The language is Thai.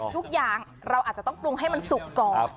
ทุกอย่างเราอาจจะต้องปรุงให้มันสุกก่อน